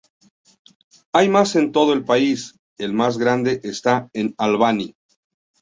Hay más en todo el país, el más grande está en Albany.